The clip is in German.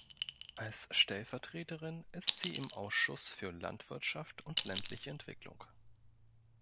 Als Stellvertreterin ist sie im Ausschuss für Landwirtschaft und ländliche Entwicklung.